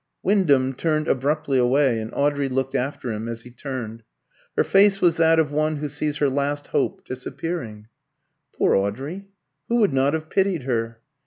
Wyndham turned abruptly away, and Audrey looked after him as he turned. Her face was that of one who sees her last hope disappearing. Poor Audrey! Who would not have pitied her?